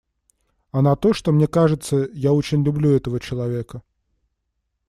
А на то, что, мне кажется, я очень люблю этого человека.